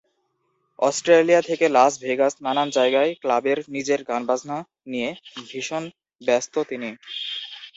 Australia থেকে Las ভেগাস—নানান জায়গার ক্লাবে নিজের গান-বাজনা নিয়ে ভীষণ ব্যস্ত তিনি।